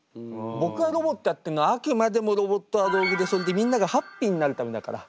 僕はロボットやってんのはあくまでもロボットは道具でそれでみんながハッピーになるためだから。